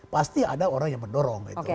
pasti ada orang yang mendorong